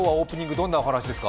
どんなお話しですか。